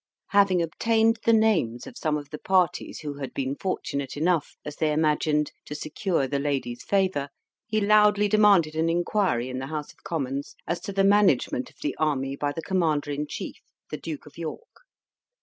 Having obtained the names of some of the parties who had been fortunate enough, as they imagined, to secure the lady's favour, he loudly demanded an inquiry in the House of Commons as to the management of the army by the Commander in Chief, the Duke of York.